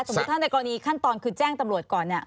สมมุติถ้าในกรณีขั้นตอนคือแจ้งตำรวจก่อน